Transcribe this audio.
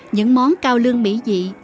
những món cao lương mỹ dị